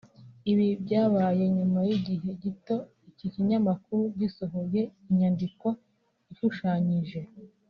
Ibi byabaye nyuma y’igihe gito iki kinyamakuru gisohoye inyandiko ishushanyije